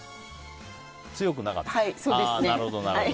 強くなかった。